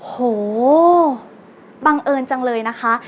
โหบังเอิญจังเลยนะคะ